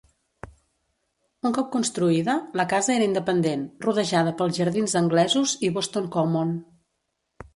Un cop construïda, la casa era independent, rodejada pels jardins anglesos i Boston Common.